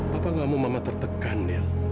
papa gak mau mama tertekan ya